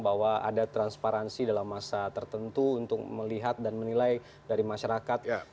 bahwa ada transparansi dalam masa tertentu untuk melihat dan menilai dari masyarakat